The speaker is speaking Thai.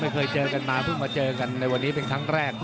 ฝ่ายน้ำเงินนะครับ